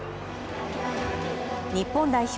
日本代表